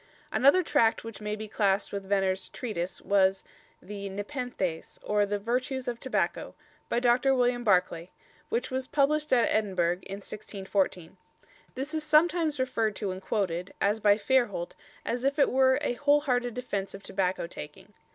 Another tract which may be classed with Venner's "Treatise" was the "Nepenthes or the Vertues of Tobacco," by Dr. William Barclay, which was published at Edinburgh in 1614. This is sometimes referred to and quoted, as by Fairholt, as if it were a whole hearted defence of tobacco taking.